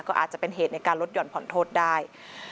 ก็อาจจะเป็นเหตุในการลดหย่อนผ่อนโทษได้